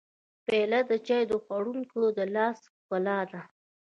پیاله د چای خوړونکي د لاس ښکلا ده.